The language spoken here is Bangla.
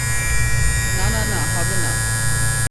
না, না, না, হবেনা।